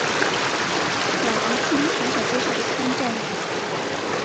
阮文清从小接受西方教育。